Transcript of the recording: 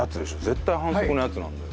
絶対反則のやつなんだよ。